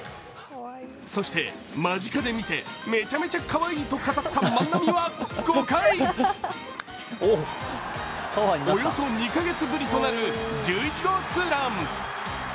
そして間近で見て、めちゃめちゃかわいいと語った万波は５回、およそ２カ月ぶりとなる１１号ツーラン。